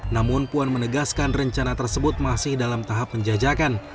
namun puan menegaskan rencana tersebut masih dalam tahap penjajakan